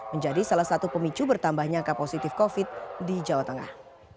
menjadi salah satu pemicu bertambahnya angka positif covid di jawa tengah